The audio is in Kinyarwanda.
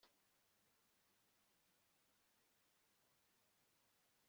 nzabikora byoroshye